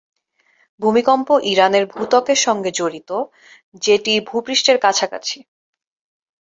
ভূমিকম্প ইরানের ভূত্বকের সঙ্গে জড়িত, যেটি ভূপৃষ্ঠের কাছাকাছি।